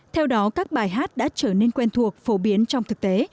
theo đó các bài hát đã trở nên quen thuộc phổ biến trong thực tế